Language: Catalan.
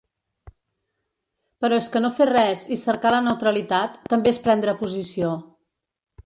Però és que no fer res i cercar la neutralitat també és prendre posició.